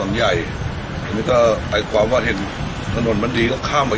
ไกลนยายนี่ก็ไตล์ขวาว่าเห็นถนนมันดีก็ข้ามกัน